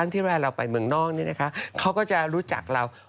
ที่เวลาเราไปเมืองนอกเขาก็จะรู้จักเรา